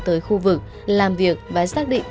tới khu vực làm việc và xác định